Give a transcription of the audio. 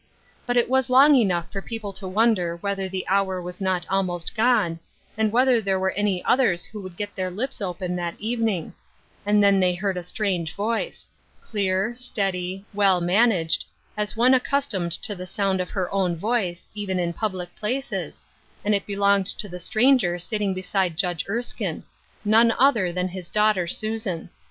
But it was long enough for people to wonder whether the hour was not almogt gone, and whether there were any others who would get their lips open that evening ; and then they heard a strange voice : clear, steady, well man aged, as one accustomed to the sound of her own voice, even in public places, and it belonged to the stranger sitting beside Judge Erskine — none other than his daughter Susan.